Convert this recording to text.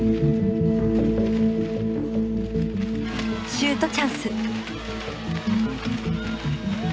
シュートチャンス。